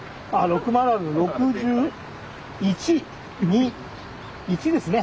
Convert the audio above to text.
６１２１ですね。